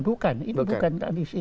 bukan ini bukan kandisi